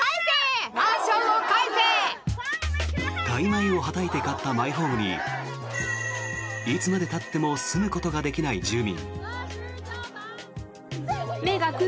大枚をはたいて買ったマイホームにいつまでたっても住むことができない住民。